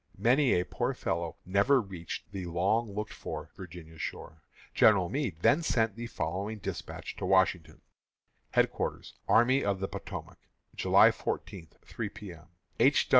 Many a poor fellow never reached the long looked for Virginia shore. General Meade then sent the following despatch to Washington: HEADQUARTERS ARMY OF THE POTOMAC, July 14, 3 P. M. _H.